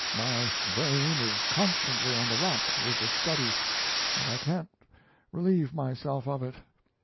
My brain is constantly on the rack with the study, and I can't relieve myself of it.